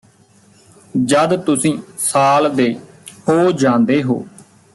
ਜਦ ਤੁਸੀਂ ਸਾਲ ਦੇ ਹੋ ਜਾਂਦੇ ਹੋ